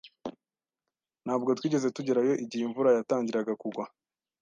Ntabwo twigeze tugerayo igihe imvura yatangiraga kugwa.